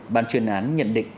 bàn truyền án nhận định